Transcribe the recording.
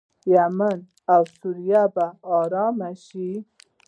یمن او سوریه به ارام شي.